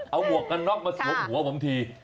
เอาหัวกันนอกมาสวบหัวบางที